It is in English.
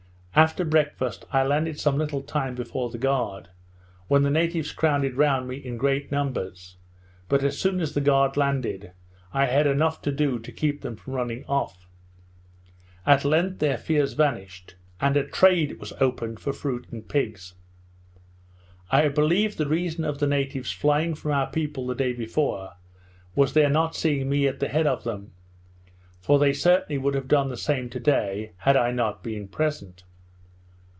After breakfast I landed some little time before the guard, when the natives crowded round me in great numbers; but as soon as the guard landed, I had enough to do to keep them from running off: At length their fears vanished, and a trade was opened for fruit and pigs. I believe the reason of the natives flying from our people the day before, was their not seeing me at the head of them; for they certainly would have done the same to day, had I not been present.